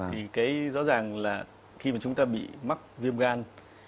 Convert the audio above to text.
thì cái rõ ràng là khi mà chúng ta bị mắc viêm gan